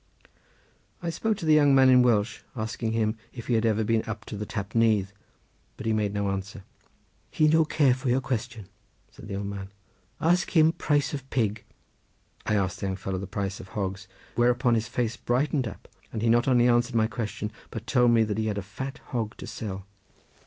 I spoke to the young man in Welsh, asking him if he had ever been up to the Tap Nyth, but he made no answer. "He no care for your question," said the old man; "ask him price of pig." I asked the young fellow the price of hogs, whereupon his face brightened up, and he not only answered my question, but told me that he had a fat hog to sell.